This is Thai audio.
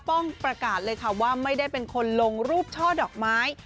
ประกาศเลยค่ะว่าไม่ได้เป็นคนลงรูปช่อดอกไม้